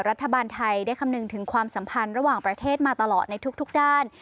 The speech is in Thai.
รัฐบาลไทยได้คำนึงถึงความสัมพันธ์ระหว่างประเทศมาตลอดในทุกด้าน